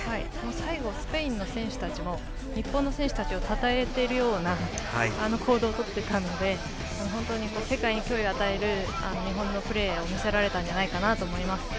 最後スペインの選手たちも日本の選手たちをたたえているような行動をとっていたので本当に世界に脅威を与える日本のプレーを見せられたんじゃないかと思います。